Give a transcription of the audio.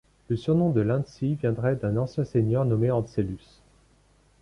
Le surnom de Lancy viendrait d'un ancien seigneur nommé Ancellus.